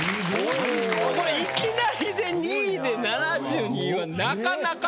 これいきなりで２位で７２はなかなかよ。